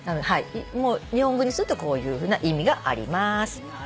日本語にするとこういうふうな意味がありまーす。